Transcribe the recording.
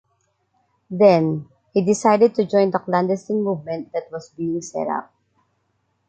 Then, he decided to join the clandestine movement that was being set up.